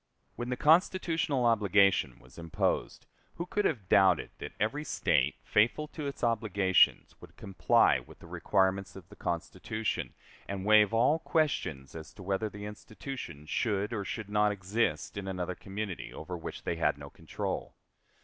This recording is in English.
When the constitutional obligation was imposed, who could have doubted that every State, faithful to its obligations, would comply with the requirements of the Constitution, and waive all questions as to whether the institution should or should not exist in another community over which they had no control?